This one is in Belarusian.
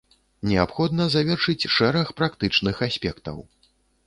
Неабходна завершыць шэраг практычных аспектаў.